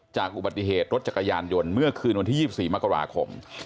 จากอุบัติเหตุรถจักรยานยนต์เมื่อคืนวันที่๒๔มกราคม